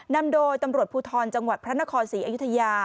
นำโดยตำรวจภูทรจังหวัดพระนครศรีอยุธยา